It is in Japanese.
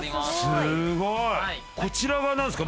すごい。こちらは何ですか？